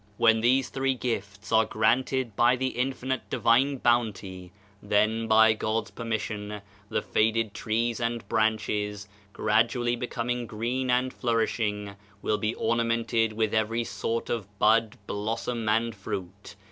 When these three gifts are granted by the Infinite Divine Bounty then, by God's permission, the faded trees and branches, gradually becoming green and flourishing, will be ornamented with every sort of bud, blossom and fruit.